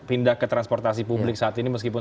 pindah ke transportasi publik saat ini meskipun